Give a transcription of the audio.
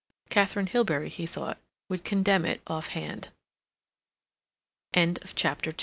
Katharine Hilbery, he thought, would condemn it off hand. CHAPTER III De